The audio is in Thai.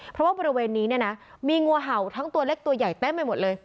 เพราะว่าบริเวณนี้เนี่ยนะมีงูเห่าทั้งตัวเล็กตัวใหญ่เต็มไปหมดเลย